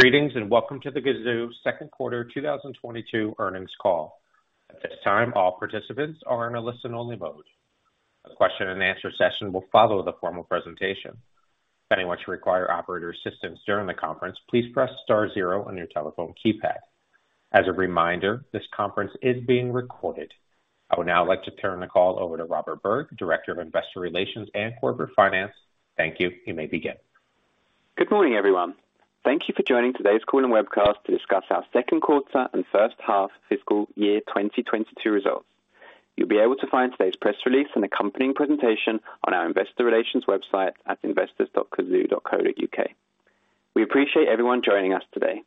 Greetings, and welcome to the Cazoo second quarter 2022 earnings call. At this time, all participants are in a listen-only mode. A question-and-answer session will follow the formal presentation. If anyone should require operator assistance during the conference, please press star zero on your telephone keypad. As a reminder, this conference is being recorded. I would now like to turn the call over to Robert Berg, Director of Investor Relations and Corporate Finance. Thank you. You may begin. Good morning, everyone. Thank you for joining today's call and webcast to discuss our second quarter and first half fiscal year 2022 results. You'll be able to find today's press release and accompanying presentation on our investor relations website at investors.cazoo.co.uk. We appreciate everyone joining us today.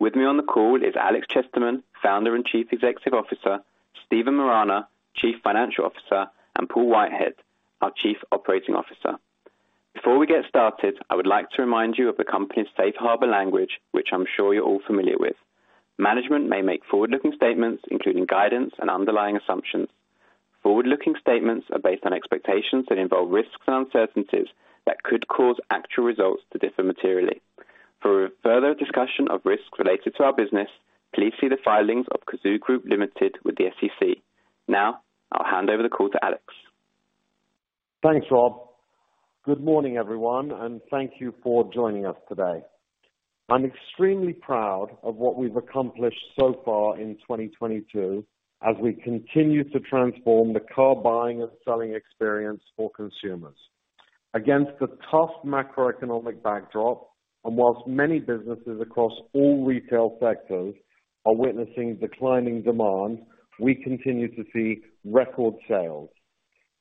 With me on the call is Alex Chesterman, Founder and Chief Executive Officer; Stephen Morana, Chief Financial Officer; and Paul Whitehead, our Chief Operating Officer. Before we get started, I would like to remind you of the company's safe harbor language, which I'm sure you're all familiar with. Management may make forward-looking statements, including guidance and underlying assumptions. Forward-looking statements are based on expectations that involve risks and uncertainties that could cause actual results to differ materially. For a further discussion of risks related to our business, please see the filings of Cazoo Group Ltd with the SEC. Now, I'll hand over the call to Alex. Thanks, Rob. Good morning, everyone, and thank you for joining us today. I'm extremely proud of what we've accomplished so far in 2022 as we continue to transform the car buying and selling experience for consumers. Against the tough macroeconomic backdrop, and whilst many businesses across all retail sectors are witnessing declining demand, we continue to see record sales.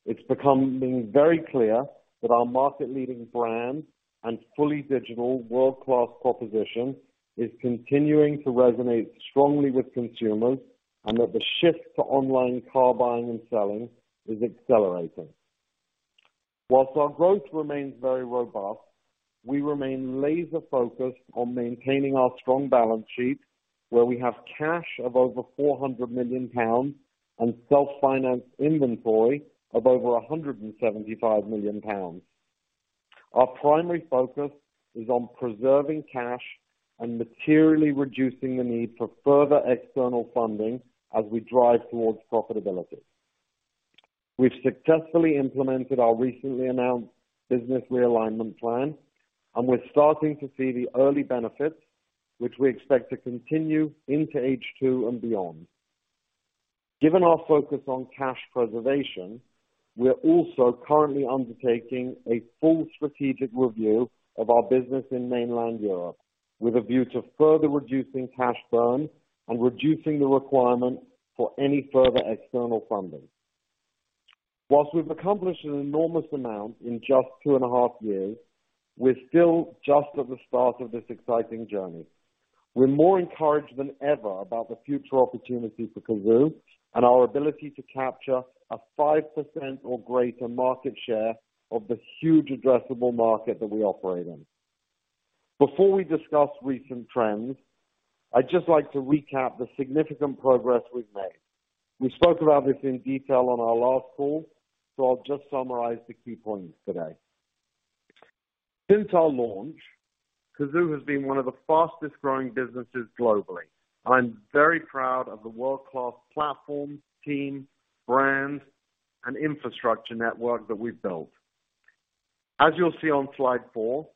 It's becoming very clear that our market leading brand and fully digital world-class proposition is continuing to resonate strongly with consumers and that the shift to online car buying and selling is accelerating. Whilst our growth remains very robust, we remain laser focused on maintaining our strong balance sheet, where we have cash of over 400 million pounds and self-financed inventory of over 175 million pounds. Our primary focus is on preserving cash and materially reducing the need for further external funding as we drive towards profitability. We've successfully implemented our recently announced business realignment plan, and we're starting to see the early benefits which we expect to continue into H2 and beyond. Given our focus on cash preservation, we are also currently undertaking a full strategic review of our business in mainland Europe with a view to further reducing cash burn and reducing the requirement for any further external funding. While we've accomplished an enormous amount in just two and a half years, we're still just at the start of this exciting journey. We're more encouraged than ever about the future opportunity for Cazoo and our ability to capture a 5% or greater market share of the huge addressable market that we operate in. Before we discuss recent trends, I'd just like to recap the significant progress we've made. We spoke about this in detail on our last call, so I'll just summarize the key points today. Since our launch, Cazoo has been one of the fastest growing businesses globally. I'm very proud of the world-class platform, team, brand, and infrastructure network that we've built. As you'll see on slide four,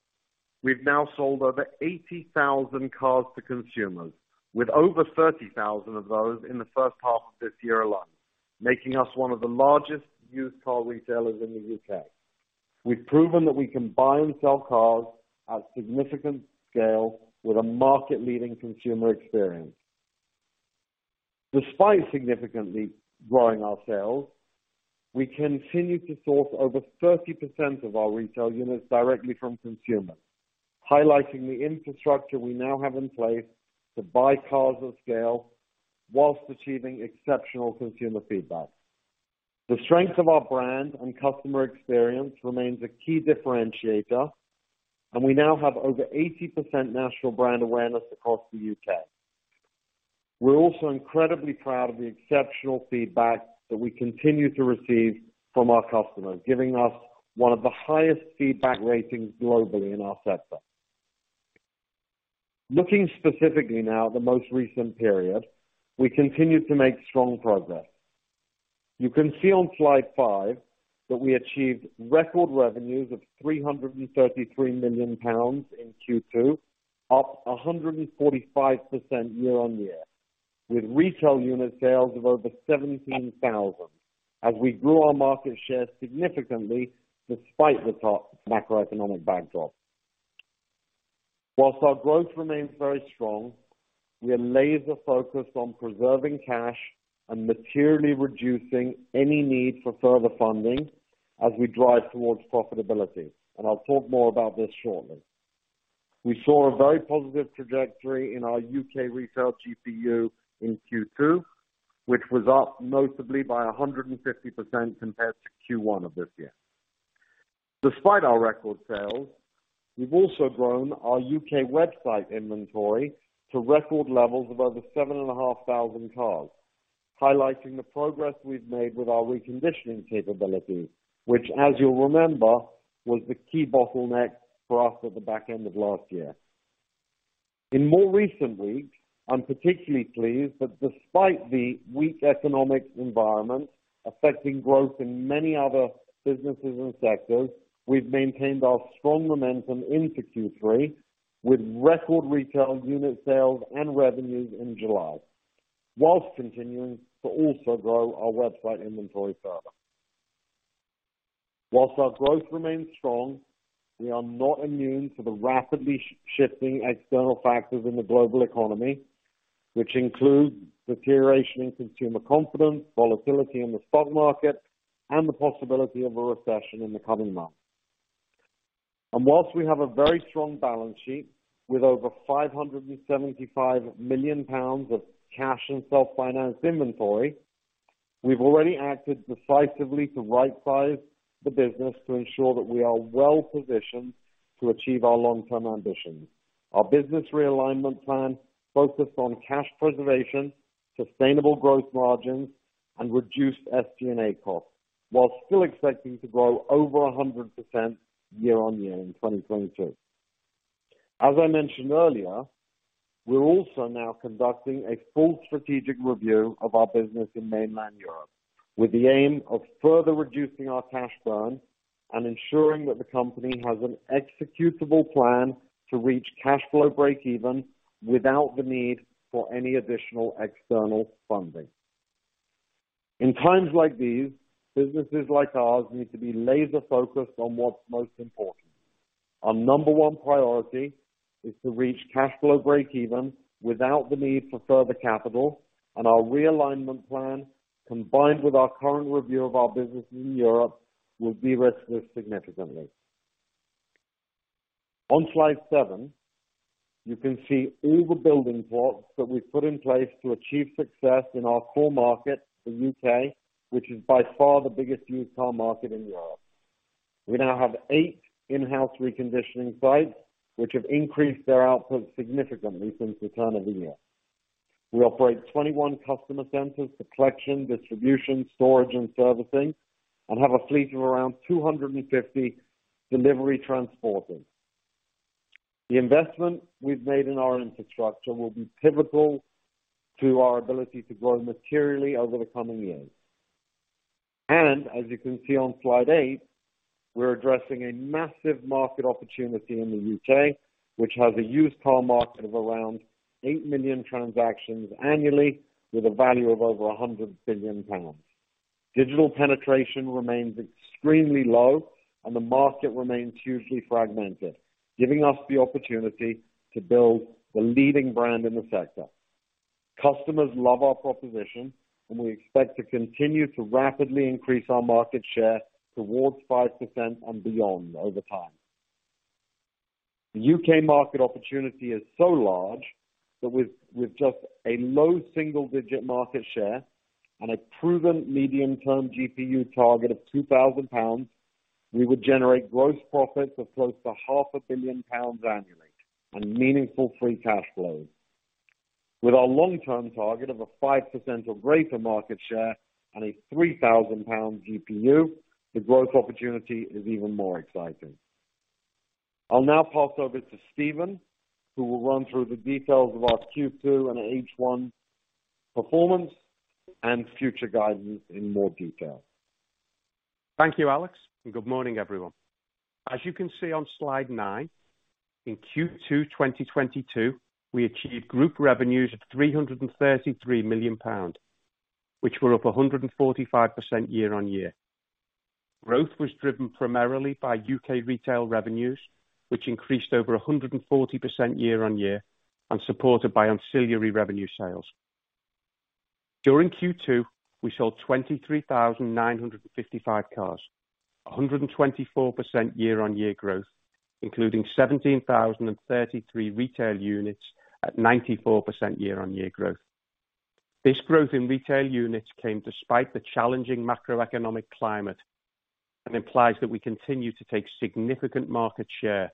we've now sold over 80,000 cars to consumers with over 30,000 of those in the first half of this year alone, making us one of the largest used car retailers in the U.K. We've proven that we can buy and sell cars at significant scale with a market leading consumer experience. Despite significantly growing our sales, we continue to source over 30% of our retail units directly from consumers, highlighting the infrastructure we now have in place to buy cars at scale while achieving exceptional consumer feedback. The strength of our brand and customer experience remains a key differentiator, and we now have over 80% national brand awareness across the U.K. We're also incredibly proud of the exceptional feedback that we continue to receive from our customers, giving us one of the highest feedback ratings globally in our sector. Looking specifically now at the most recent period, we continued to make strong progress. You can see on slide five that we achieved record revenues of 333 million pounds in Q2, up 145% year-on-year, with retail unit sales of over 17,000 as we grew our market share significantly despite the tough macroeconomic backdrop. Whilst our growth remains very strong, we are laser focused on preserving cash and materially reducing any need for further funding as we drive towards profitability. I'll talk more about this shortly. We saw a very positive trajectory in our U.K. retail GPU in Q2, which was up notably by 150% compared to Q1 of this year. Despite our record sales, we've also grown our U.K. website inventory to record levels of over 7,500 cars. Highlighting the progress we've made with our reconditioning capability, which as you'll remember, was the key bottleneck for us at the back end of last year. In more recent weeks, I'm particularly pleased that despite the weak economic environment affecting growth in many other businesses and sectors, we've maintained our strong momentum into Q3 with record retail unit sales and revenues in July, whilst continuing to also grow our website inventory further. Whilst our growth remains strong, we are not immune to the rapidly shifting external factors in the global economy, which include deterioration in consumer confidence, volatility in the spot market, and the possibility of a recession in the coming months. While we have a very strong balance sheet with over 575 million pounds of cash and self-financed inventory, we've already acted decisively to right size the business to ensure that we are well positioned to achieve our long-term ambitions. Our business realignment plan focused on cash preservation, sustainable growth margins, and reduced SG&A costs, while still expecting to grow over 100% year-on-year in 2022. As I mentioned earlier, we're also now conducting a full strategic review of our business in mainland Europe, with the aim of further reducing our cash burn and ensuring that the company has an executable plan to reach cash flow breakeven without the need for any additional external funding. In times like these, businesses like ours need to be laser focused on what's most important. Our number one priority is to reach cash flow breakeven without the need for further capital, and our realignment plan, combined with our current review of our business in Europe, will de-risk this significantly. On slide seven, you can see all the building blocks that we've put in place to achieve success in our core market, the U.K., which is by far the biggest used car market in Europe. We now have eight in-house reconditioning sites, which have increased their output significantly since the turn of the year. We operate 21 customer centers for collection, distribution, storage, and servicing, and have a fleet of around 250 delivery transporters. The investment we've made in our infrastructure will be pivotal to our ability to grow materially over the coming years. As you can see on slide eight, we're addressing a massive market opportunity in the U.K., which has a used car market of around 8 million transactions annually with a value of over 100 billion pounds. Digital penetration remains extremely low and the market remains hugely fragmented, giving us the opportunity to build the leading brand in the sector. Customers love our proposition, and we expect to continue to rapidly increase our market share towards 5% and beyond over time. The U.K. market opportunity is so large that with just a low single digit market share and a proven medium term GPU target of 2,000 pounds, we would generate gross profits of close to half a billion GBP annually and meaningful free cash flow. With our long-term target of a 5% or greater market share and a 3,000 pound GPU, the growth opportunity is even more exciting. I'll now pass over to Stephen, who will run through the details of our Q2 and H1 performance and future guidance in more detail. Thank you, Alex, and good morning, everyone. As you can see on slide 9, in Q2 2022, we achieved group revenues of 333 million pound, which were up 145% year-on-year. Growth was driven primarily by U.K. retail revenues, which increased over 140% year-on-year and supported by ancillary revenue sales. During Q2, we sold 23,955 cars, 124% year-on-year growth, including 17,033 retail units at 94% year-on-year growth. This growth in retail units came despite the challenging macroeconomic climate and implies that we continue to take significant market share,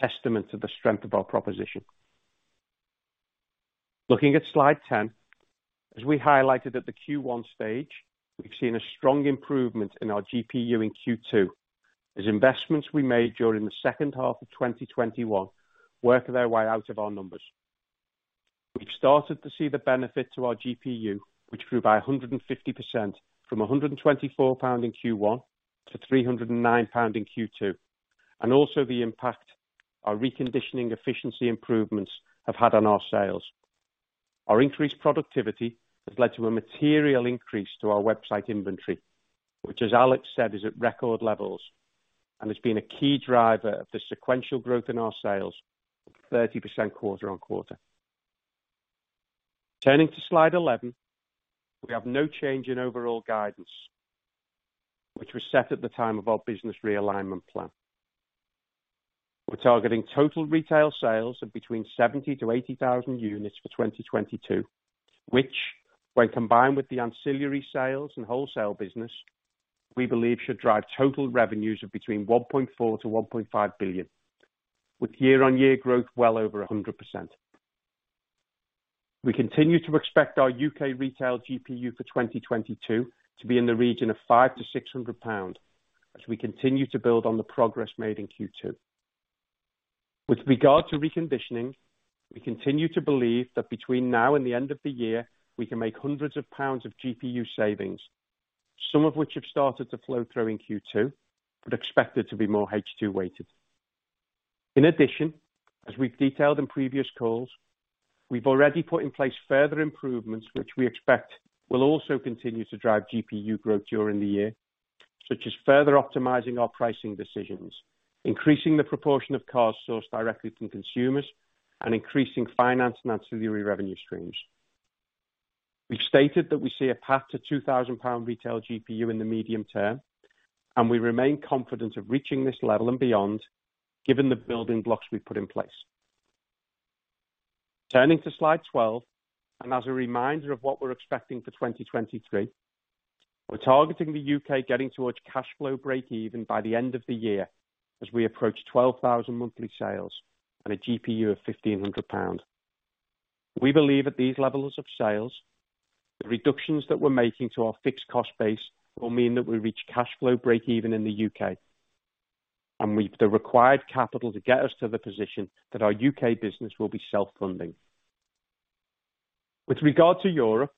testament to the strength of our proposition. Looking at slide 10, as we highlighted at the Q1 stage, we've seen a strong improvement in our GPU in Q2 as investments we made during the second half of 2021 work their way out of our numbers. We've started to see the benefit to our GPU, which grew by 150% from 124 pound in Q1 to 309 pound in Q2, and also the impact our reconditioning efficiency improvements have had on our sales. Our increased productivity has led to a material increase to our website inventory, which as Alex said, is at record levels and has been a key driver of the sequential growth in our sales of 30% quarter-over-quarter. Turning to slide 11. We have no change in overall guidance, which was set at the time of our business realignment plan. We're targeting total retail sales of between 70,000-80,000 units for 2022, which when combined with the ancillary sales and wholesale business, we believe should drive total revenues of between 1.4-1.5 billion. With year-on-year growth well over 100%. We continue to expect our U.K. retail GPU for 2022 to be in the region of 500-600 pounds as we continue to build on the progress made in Q2. With regard to reconditioning, we continue to believe that between now and the end of the year, we can make hundreds of pounds of GPU savings, some of which have started to flow through in Q2 but expected to be more H2 weighted. In addition, as we've detailed in previous calls, we've already put in place further improvements, which we expect will also continue to drive GPU growth during the year, such as further optimizing our pricing decisions, increasing the proportion of cars sourced directly from consumers, and increasing finance and ancillary revenue streams. We've stated that we see a path to 2000 pound retail GPU in the medium term, and we remain confident of reaching this level and beyond given the building blocks we've put in place. Turning to slide 12, as a reminder of what we're expecting for 2023, we're targeting the U.K. getting towards cash flow breakeven by the end of the year as we approach 12,000 monthly sales and a GPU of 1500 pounds. We believe at these levels of sales, the reductions that we're making to our fixed cost base will mean that we reach cash flow breakeven in the U.K. and we've the required capital to get us to the position that our U.K. business will be self-funding. With regard to Europe,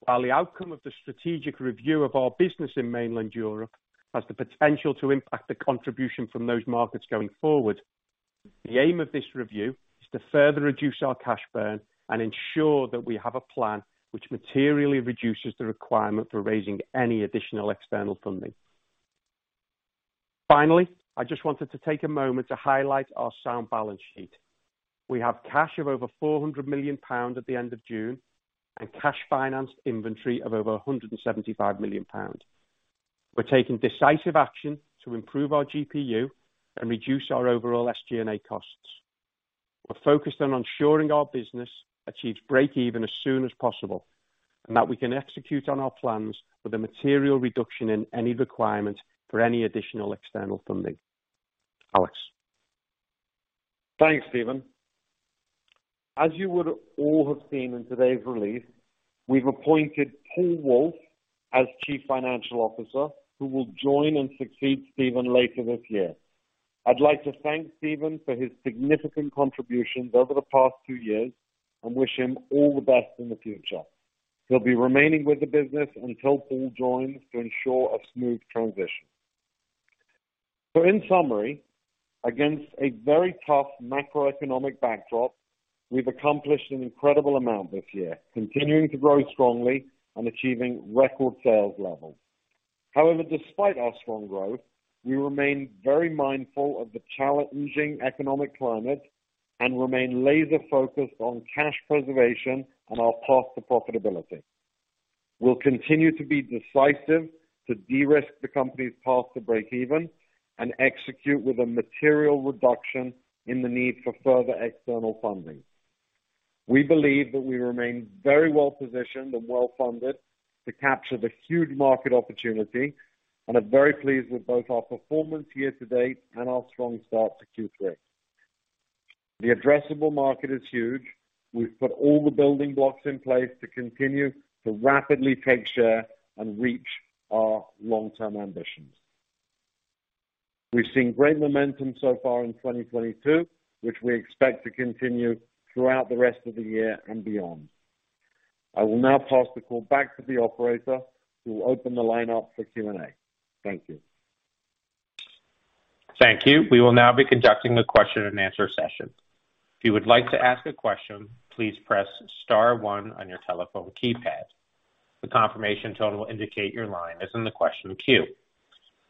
while the outcome of the strategic review of our business in mainland Europe has the potential to impact the contribution from those markets going forward, the aim of this review is to further reduce our cash burn and ensure that we have a plan which materially reduces the requirement for raising any additional external funding. Finally, I just wanted to take a moment to highlight our sound balance sheet. We have cash of over 400 million pounds at the end of June and cash financed inventory of over 175 million pounds. We're taking decisive action to improve our GPU and reduce our overall SG&A costs. We're focused on ensuring our business achieves breakeven as soon as possible and that we can execute on our plans with a material reduction in any requirement for any additional external funding. Alex? Thanks, Stephen. As you would all have seen in today's release, we've appointed Paul Woolf as Chief Financial Officer, who will join and succeed Stephen later this year. I'd like to thank Stephen for his significant contributions over the past two years and wish him all the best in the future. He'll be remaining with the business until Paul joins to ensure a smooth transition. In summary, against a very tough macroeconomic backdrop, we've accomplished an incredible amount this year, continuing to grow strongly and achieving record sales levels. However, despite our strong growth, we remain very mindful of the challenging economic climate and remain laser focused on cash preservation and our path to profitability. We'll continue to be decisive to de-risk the company's path to breakeven and execute with a material reduction in the need for further external funding. We believe that we remain very well positioned and well-funded to capture the huge market opportunity and are very pleased with both our performance year-to-date and our strong start to Q3. The addressable market is huge. We've put all the building blocks in place to continue to rapidly take share and reach our long-term ambitions. We've seen great momentum so far in 2022, which we expect to continue throughout the rest of the year and beyond. I will now pass the call back to the operator who will open the line up for Q&A. Thank you. Thank you. We will now be conducting the question-and-answer session. If you would like to ask a question, please press star one on your telephone keypad. The confirmation tone will indicate your line is in the question queue.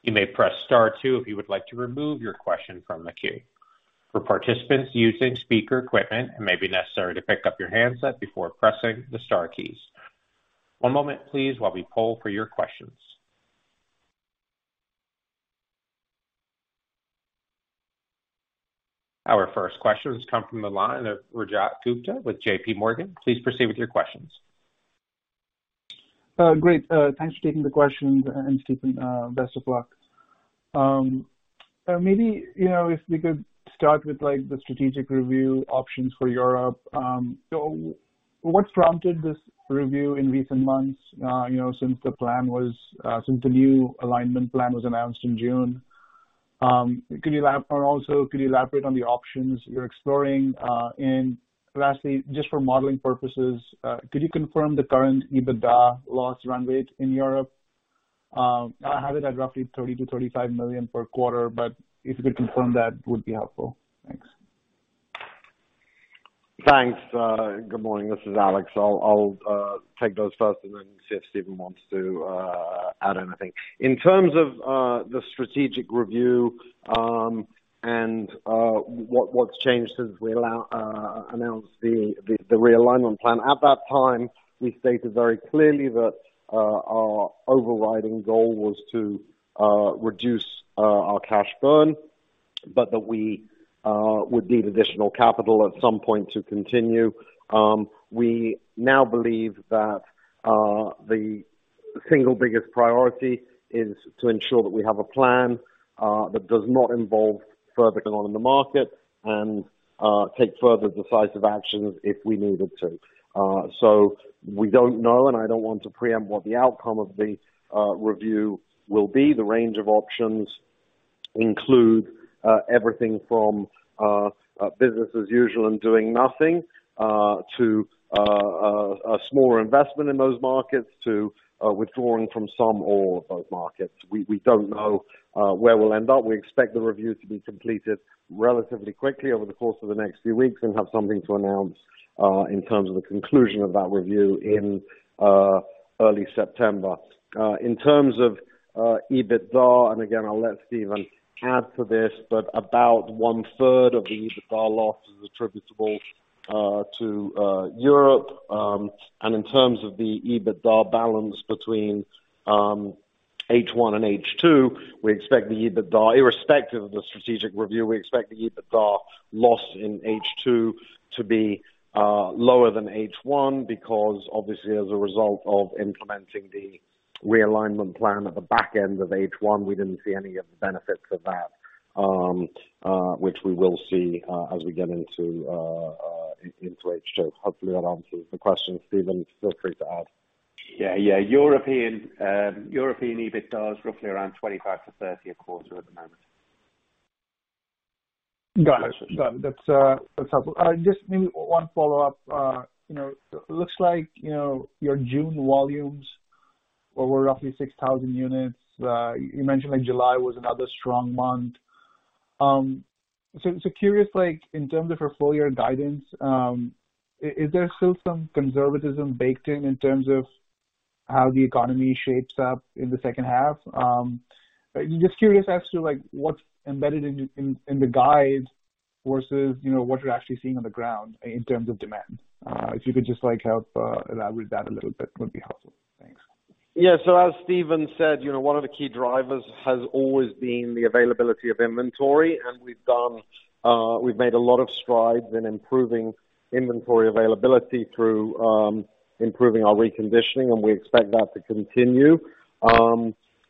You may press star two if you would like to remove your question from the queue. For participants using speaker equipment, it may be necessary to pick up your handset before pressing the star keys. One moment please while we poll for your questions. Our first questions come from the line of Rajat Gupta with JPMorgan. Please proceed with your questions. Great. Thanks for taking the questions and Stephen, best of luck. Maybe, you know, if we could start with like the strategic review options for Europe. So what prompted this review in recent months, you know, since the new alignment plan was announced in June? Could you elaborate on the options you're exploring. Lastly, just for modeling purposes, could you confirm the current EBITDA loss run rate in Europe? I have it at roughly 30 million-GBP35 million per quarter, but if you could confirm that would be helpful. Thanks. Thanks. Good morning. This is Alex. I'll take those first and then see if Stephen wants to add anything. In terms of the strategic review and what's changed since we announced the realignment plan. At that time, we stated very clearly that our overriding goal was to reduce our cash burn. That we would need additional capital at some point to continue. We now believe that the single biggest priority is to ensure that we have a plan that does not involve further going on the market and take further decisive actions if we needed to. We don't know, and I don't want to preempt what the outcome of the review will be. The range of options include everything from a business as usual and doing nothing to a smaller investment in those markets to withdrawing from some or all of those markets. We don't know where we'll end up. We expect the review to be completed relatively quickly over the course of the next few weeks and have something to announce in terms of the conclusion of that review in early September. In terms of EBITDA, and again, I'll let Stephen add to this, but about 1/3 of the EBITDA loss is attributable to Europe. In terms of the EBITDA balance between H1 and H2, we expect the EBITDA irrespective of the strategic review. We expect the EBITDA loss in H2 to be lower than H1 because obviously as a result of implementing the realignment plan at the back end of H1, we didn't see any of the benefits of that, which we will see as we get into H2. Hopefully, that answers the question. Stephen, feel free to add. Yeah. European EBITDA roughly around 25 million-30 million a quarter at the moment. Got it. That's helpful. Just maybe one follow-up. You know, looks like, you know, your June volumes were roughly 6,000 units. You mentioned, like, July was another strong month. So curious, like, in terms of your full year guidance, is there still some conservatism baked in terms of how the economy shapes up in the second half? Just curious as to like what's embedded in the guide versus, you know, what you're actually seeing on the ground in terms of demand. If you could just like help elaborate that a little bit would be helpful. Thanks. Yeah. As Stephen said, you know, one of the key drivers has always been the availability of inventory, and we've made a lot of strides in improving inventory availability through improving our reconditioning, and we expect that to continue.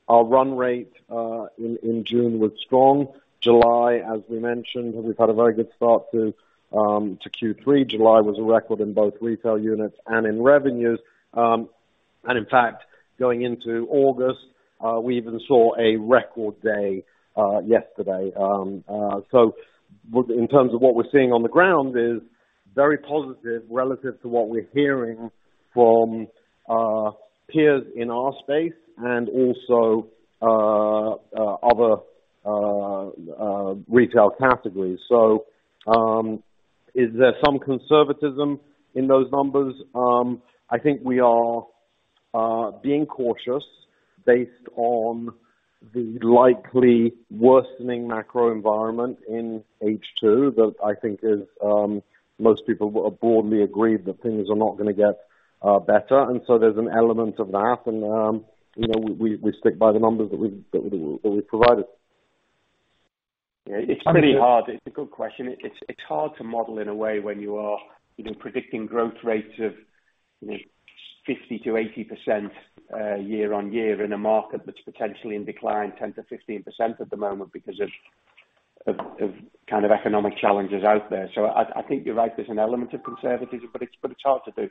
Our run rate in June was strong. July, as we mentioned, we've had a very good start to Q3. July was a record in both retail units and in revenues. In fact, going into August, we even saw a record day yesterday. In terms of what we're seeing on the ground is very positive relative to what we're hearing from peers in our space and also other retail categories. Is there some conservatism in those numbers? I think we are being cautious based on the likely worsening macro environment in H2 that I think is most people have broadly agreed that things are not gonna get better. There's an element of that. We stick by the numbers that we provided. Yeah. It's pretty hard. It's a good question. It's hard to model in a way when you are, you know, predicting growth rates of, you know, 50%-80% year-on-year in a market that's potentially in decline 10%-15% at the moment because of kind of economic challenges out there. I think you're right, there's an element of conservatism, but it's hard to do.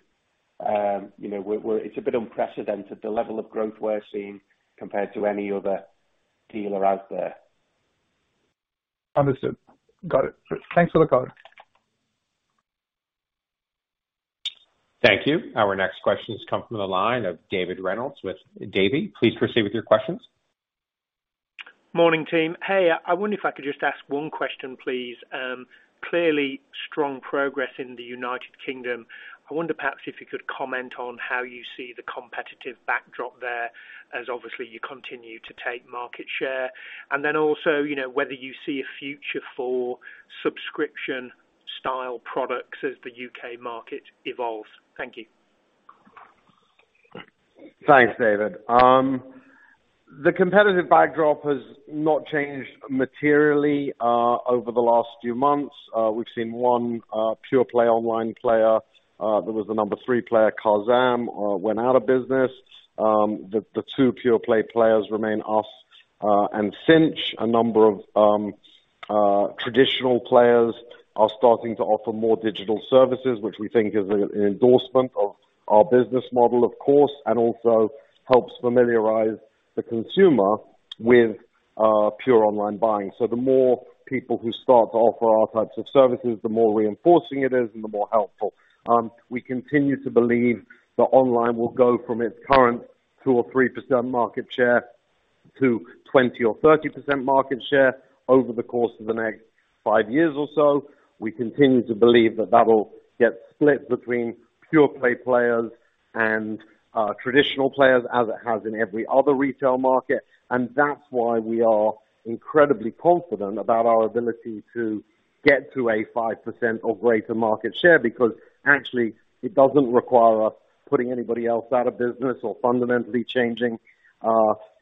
You know, it's a bit unprecedented, the level of growth we're seeing compared to any other dealer out there. Understood. Got it. Thanks a lot for the color. Thank you. Our next question has come from the line of David Reynolds with Davy. Please proceed with your questions. Morning, team. Hey, I wonder if I could just ask one question, please. Clearly strong progress in the United Kingdom. I wonder perhaps if you could comment on how you see the competitive backdrop there as obviously you continue to take market share. Then also, you know, whether you see a future for subscription style products as the U.K. market evolves. Thank you. Thanks, David. The competitive backdrop has not changed materially over the last few months. We've seen one pure play online player that was the number three player, Carzam, went out of business. The two pure play players remain us and Cinch. A number of traditional players are starting to offer more digital services, which we think is an endorsement of our business model, of course, and also helps familiarize the consumer with pure online buying. The more people who start to offer our types of services, the more reinforcing it is and the more helpful. We continue to believe that online will go from its current 2% or 3% market share to 20% or 30% market share over the course of the next five years or so. We continue to believe that that'll get split between pure play players and traditional players as it has in every other retail market. That's why we are incredibly confident about our ability to get to a 5% or greater market share, because actually it doesn't require us putting anybody else out of business or fundamentally changing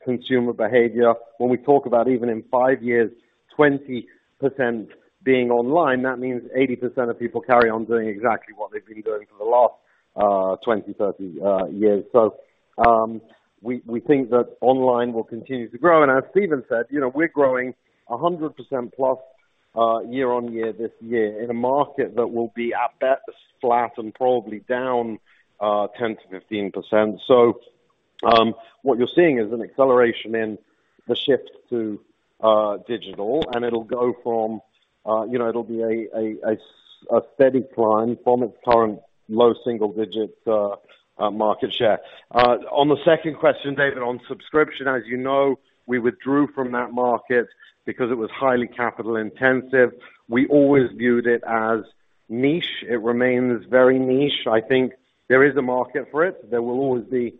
consumer behavior. When we talk about even in five years, 20% being online, that means 80% of people carry on doing exactly what they've been doing for the last 20, 30 years. We think that online will continue to grow. As Stephen said, you know, we're growing 100%+ year-on-year this year in a market that will be at best flat and probably down 10%-15%. What you're seeing is an acceleration in the shift to digital, and it'll go from you know it'll be a steady climb from its current low single digit market share. On the second question, David, on subscription, as you know, we withdrew from that market because it was highly capital intensive. We always viewed it as niche. It remains very niche. I think there is a market for it. There will always be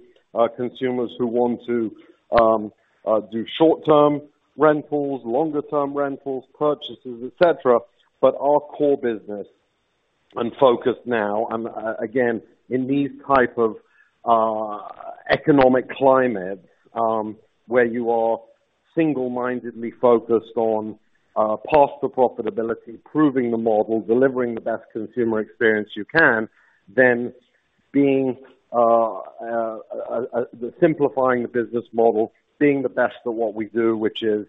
consumers who want to do short-term rentals, longer term rentals, purchases, et cetera. Our core business and focus now and again, in these type of economic climates, where you are single-mindedly focused on path to profitability, proving the model, delivering the best consumer experience you can, then being the simplifying the business model, being the best at what we do, which is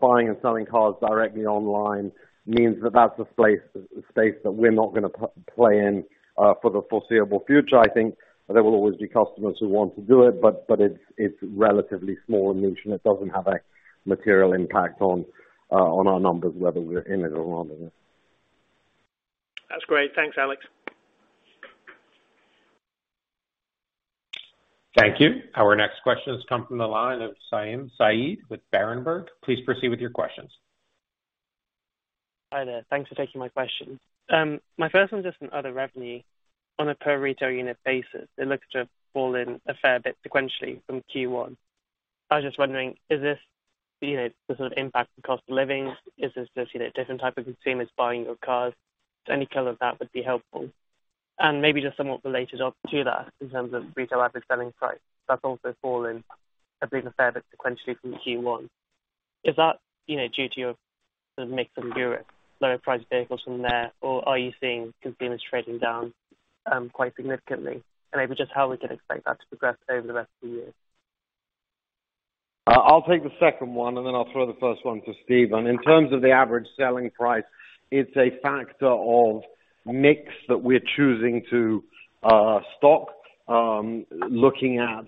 buying and selling cars directly online, means that that's a place, a space that we're not gonna play in for the foreseeable future. I think there will always be customers who want to do it, but it's relatively small and niche, and it doesn't have a material impact on our numbers whether we're in it or not in it. That's great. Thanks, Alex. Thank you. Our next question has come from the line of Saim Saeed with Berenberg. Please proceed with your questions. Hi there. Thanks for taking my question. My first one's just on other revenue on a per retail unit basis. It looks to have fallen a fair bit sequentially from Q1. I was just wondering, is this, you know, the sort of impact of cost of living? Is this just, you know, different type of consumers buying your cars? Any color of that would be helpful. Maybe just somewhat related on to that in terms of retail average selling price. That's also fallen I believe a fair bit sequentially from Q1. Is that, you know, due to your sort of mix from Europe, lower priced vehicles from there, or are you seeing consumers trading down, quite significantly? Maybe just how we can expect that to progress over the rest of the year. I'll take the second one, and then I'll throw the first one to Stephen. In terms of the average selling price, it's a factor of mix that we're choosing to stock, looking at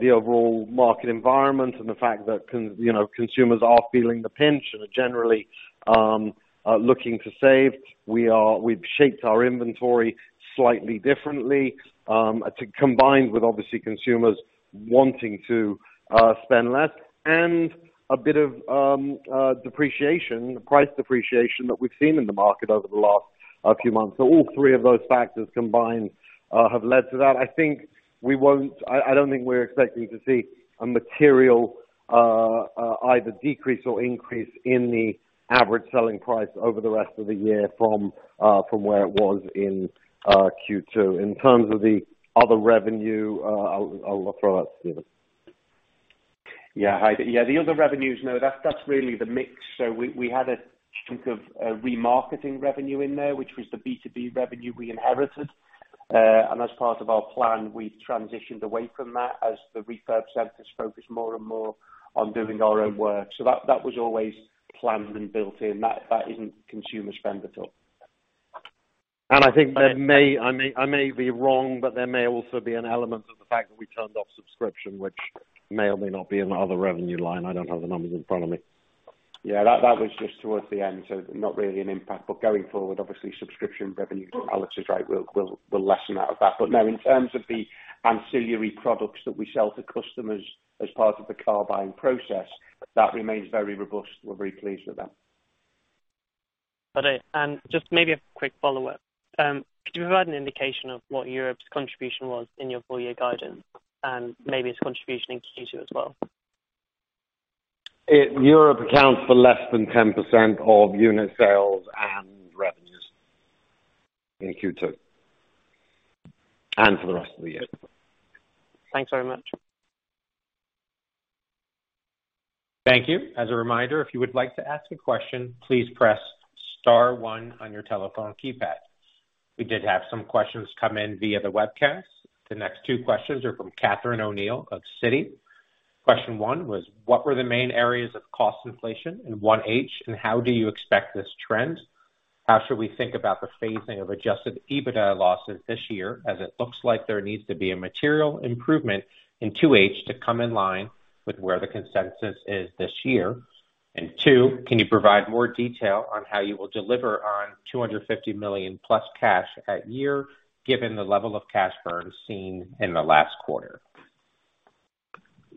the overall market environment and the fact that you know, consumers are feeling the pinch and are generally looking to save. We've shaped our inventory slightly differently, to, combined with obviously consumers wanting to spend less and a bit of depreciation, price depreciation that we've seen in the market over the last few months. All three of those factors combined have led to that. I think we won't. I don't think we're expecting to see a material either decrease or increase in the average selling price over the rest of the year from where it was in Q2. In terms of the other revenue, I'll throw that to Stephen. Yeah. Hi. Yeah, the other revenues, no, that's really the mix. We had a chunk of remarketing revenue in there, which was the B2B revenue we inherited. As part of our plan, we transitioned away from that as the refurb centers focus more and more on doing our own work. That was always planned and built in. That isn't consumer spend at all. I think there may, I may be wrong, but there may also be an element of the fact that we turned off subscription, which may or may not be in the other revenue line. I don't have the numbers in front of me. Yeah, that was just towards the end, so not really an impact. Going forward, obviously subscription revenues, Alex is right, we'll lessen out of that. No, in terms of the ancillary products that we sell to customers as part of the car buying process, that remains very robust. We're very pleased with that. Okay. Just maybe a quick follow-up. Could you provide an indication of what Europe's contribution was in your full year guidance and maybe its contribution in Q2 as well? Europe accounts for less than 10% of unit sales and revenues in Q2 and for the rest of the year. Thanks very much. Thank you. As a reminder, if you would like to ask a question, please press star one on your telephone keypad. We did have some questions come in via the webcast. The next two questions are from Catherine O'Neill of Citi. Question one was, what were the main areas of cost inflation in 1H? How do you expect this trend? How should we think about the phasing of adjusted EBITDA losses this year, as it looks like there needs to be a material improvement in 2H to come in line with where the consensus is this year? Question two, can you provide more detail on how you will deliver on 250 million-plus cash at year, given the level of cash burn seen in the last quarter?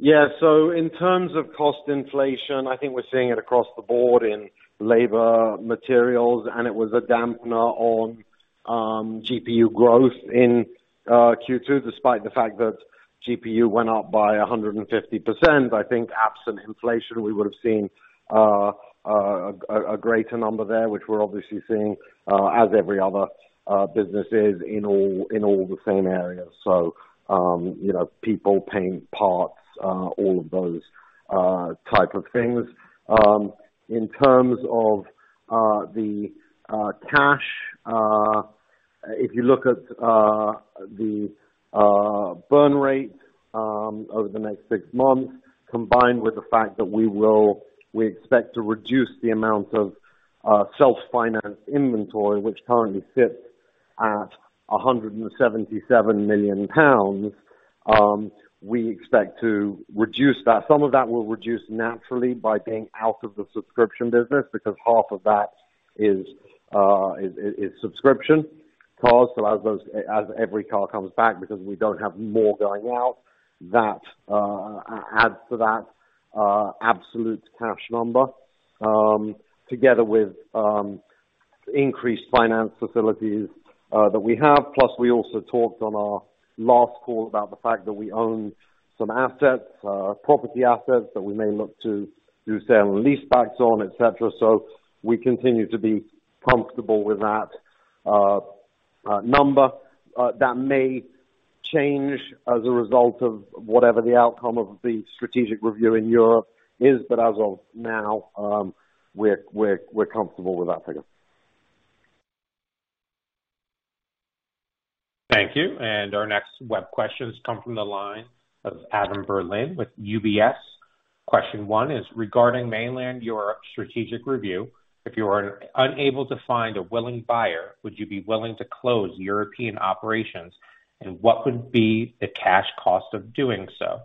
Yeah. In terms of cost inflation, I think we're seeing it across the board in labor materials, and it was a dampener on GPU growth in Q2, despite the fact that GPU went up by 150%. I think absent inflation, we would have seen a greater number there, which we're obviously seeing as every other business is in all the same areas. You know, people, paying parts, all of those type of things. In terms of the cash burn rate over the next six months, combined with the fact that we expect to reduce the amount of self-financed inventory, which currently sits at 177 million pounds, we expect to reduce that. Some of that will reduce naturally by being out of the subscription business because half of that is subscription cost. Every car comes back because we don't have more going out, that adds to that absolute cash number, together with increased finance facilities that we have. Plus, we also talked on our last call about the fact that we own some assets, property assets, that we may look to do sale and leasebacks on, et cetera. We continue to be comfortable with that number. That may change as a result of whatever the outcome of the strategic review in Europe is, but as of now, we're comfortable with that figure. Thank you. Our next web questions come from the line of Adam Berlin with UBS. Question one is regarding mainland Europe strategic review. If you are unable to find a willing buyer, would you be willing to close European operations? And what would be the cash cost of doing so?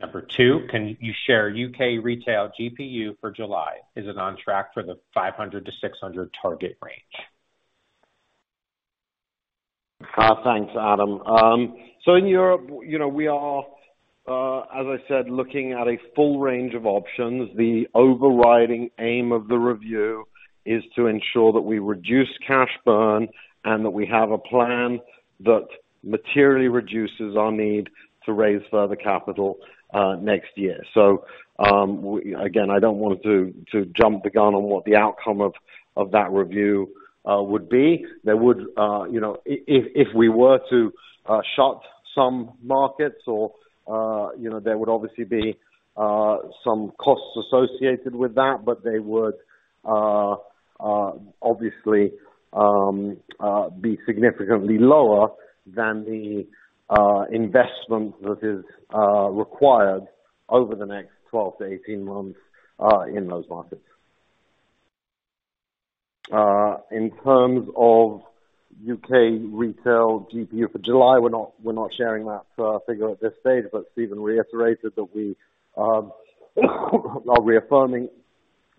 Number two, can you share U.K. retail GPU for July? Is it on track for the 500-GBP600 target range? Thanks, Adam. So in Europe, you know, we are, as I said, looking at a full range of options. The overriding aim of the review is to ensure that we reduce cash burn and that we have a plan that materially reduces our need to raise further capital, next year. Again, I don't want to jump the gun on what the outcome of that review would be. There would, you know, if we were to shut some markets or, you know, there would obviously be some costs associated with that, but they would obviously be significantly lower than the investment that is required over the next 12-18 months in those markets. In terms of U.K. retail GPU for July, we're not sharing that figure at this stage, but Stephen reiterated that we are reaffirming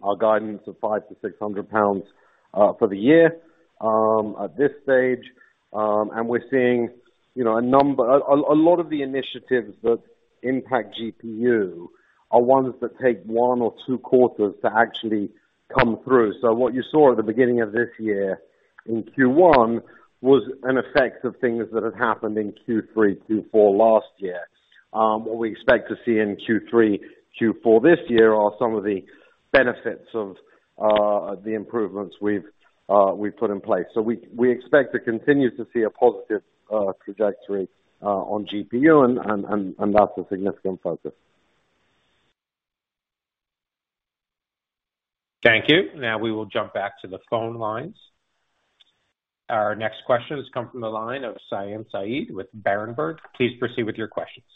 our guidance of 500-600 pounds for the year at this stage. We're seeing, you know, a lot of the initiatives that impact GPU are ones that take one or two quarters to actually come through. What you saw at the beginning of this year in Q1 was an effect of things that had happened in Q3, Q4 last year. What we expect to see in Q3, Q4 this year are some of the benefits of the improvements we've put in place. We expect to continue to see a positive trajectory on GPU and that's a significant focus. Thank you. Now we will jump back to the phone lines. Our next questions come from the line of Saim Saeed with Berenberg. Please proceed with your questions.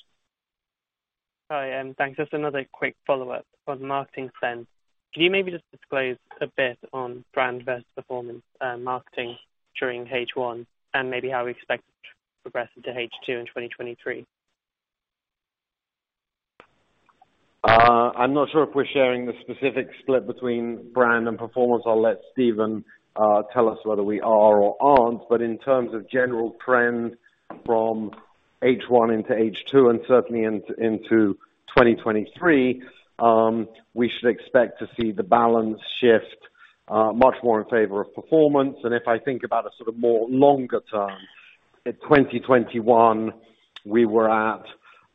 Hi, thanks. Just another quick follow-up on marketing spend. Can you maybe just disclose a bit on brand versus performance marketing during H1 and maybe how we expect to progress into H2 in 2023? I'm not sure if we're sharing the specific split between brand and performance. I'll let Stephen tell us whether we are or aren't. In terms of general trend from H1 into H2 and certainly into 2023, we should expect to see the balance shift much more in favor of performance. If I think about a sort of more longer term, in 2021, we were at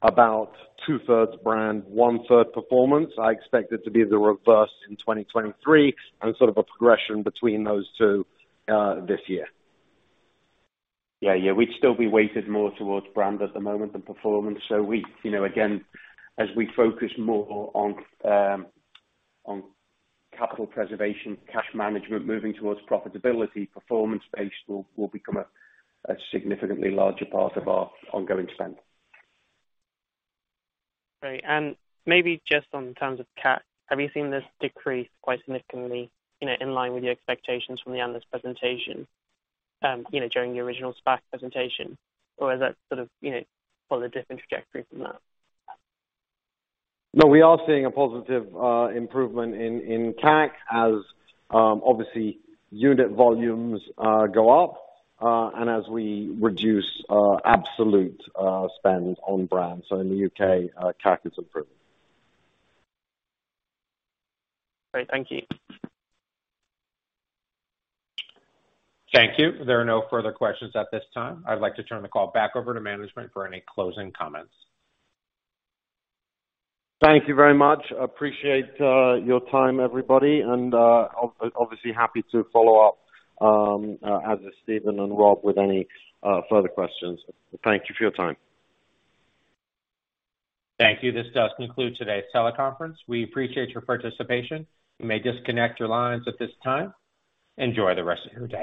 about 2/3 brand, 1/3 performance. I expect it to be the reverse in 2023 and sort of a progression between those two this year. Yeah. Yeah. We'd still be weighted more towards brand at the moment than performance. We, you know, again, as we focus more on, on capital preservation, cash management, moving towards profitability, performance-based will become a significantly larger part of our ongoing spend. Great. Maybe just on terms of CAC, have you seen this decrease quite significantly, you know, in line with your expectations from the analyst presentation, you know, during the original SPAC presentation? Or is that sort of, you know, follow a different trajectory from that? No, we are seeing a positive improvement in CAC as obviously unit volumes go up and as we reduce absolute spend on brand. In the U.K., CAC has improved. Great. Thank you. Thank you. There are no further questions at this time. I'd like to turn the call back over to management for any closing comments. Thank you very much. Appreciate your time, everybody. Obviously happy to follow up as is Stephen and Rob with any further questions. Thank you for your time. Thank you. This does conclude today's teleconference. We appreciate your participation. You may disconnect your lines at this time. Enjoy the rest of your day.